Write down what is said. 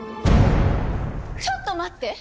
ちょっと待って！